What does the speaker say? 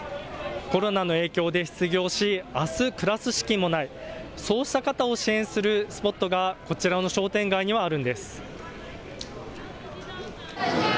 コロナの影響で失業し、あす暮らす資金もない、そうした方を支援するスポットがこちらの商店街にはあるんです。